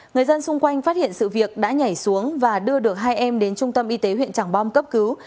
người dân xung quanh phát hiện sự việc đã nhảy xuống và đưa được hai em đến trung tâm y tế huyện tràng bom cấp cứu